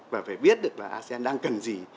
và phải biết được là asean đang cần gì